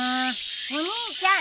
・お兄ちゃん